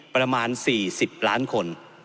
ประมาณ๔๐ล้านคน